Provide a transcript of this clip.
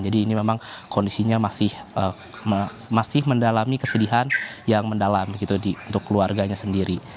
jadi ini memang kondisinya masih mendalami kesedihan yang mendalam untuk keluarganya sendiri